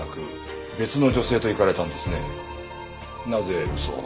なぜ嘘を？